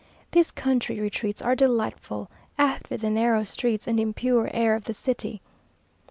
These country retreats are delightful after the narrow streets and impure air of the city....